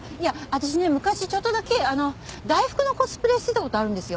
私ね昔ちょっとだけ大福のコスプレしてた事あるんですよ。